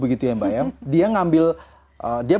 dia membeli berat